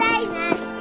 して！